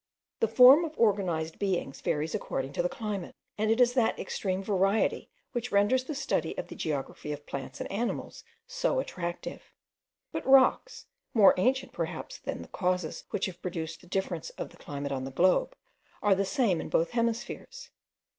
The form of organized beings varies according to the climate, and it is that extreme variety which renders the study of the geography of plants and animals so attractive; but rocks, more ancient perhaps than the causes which have produced the difference of the climate on the globe, are the same in both hemispheres.